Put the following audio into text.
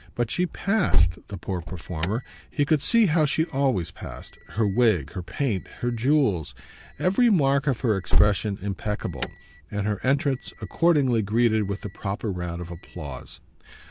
But she PASSED, the poor performer he could see how she always passed; her wig, her paint, her jewels, every mark of her expression impeccable, and her entrance accordingly greeted with the proper round of applause.